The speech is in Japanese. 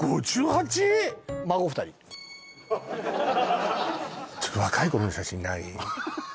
孫２人ちょっと若い頃の写真ない？